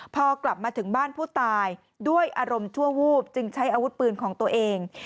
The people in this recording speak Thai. พอกลับมาถึงบ้านผู้ตายด้วยอารมณ์ชั่ววูบจึงใช้อาวุธปืนของตัวเอง